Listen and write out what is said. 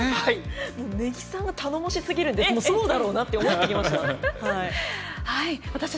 根木さんが頼もしすぎるのでそうだろうなって思ってきました。